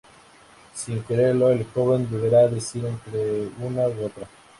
Sin quererlo, el joven deberá decidir entre una u otra...